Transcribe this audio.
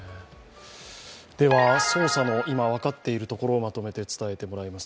では、捜査の今分かっているところをまとめて伝えてもらいます。